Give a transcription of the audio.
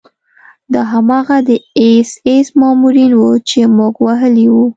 دا هماغه د اېس ایس مامورین وو چې موږ وهلي وو